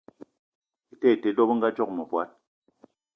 Ete ete te, dò bëngadzoge mëvòd